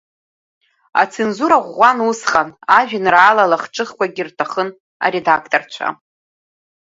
Ацензура ӷәӷәан усҟан, ажәеинраала лахҿыхқәагьы рҭахын аредакторцәа.